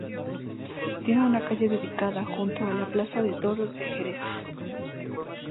Tiene una calle dedicada junto a la plaza de toros de Jerez.